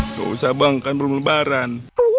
nggak usah bang kan belum lebaran